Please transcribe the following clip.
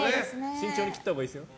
慎重に切ったほうがいいですよ。